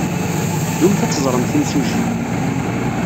Ddumt ad teẓremt imsujji.